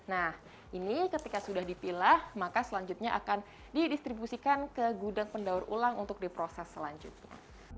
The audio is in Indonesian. nah ini ketika sudah dipilah maka selanjutnya akan didistribusikan ke gudang pendaur ulang untuk diproses selanjutnya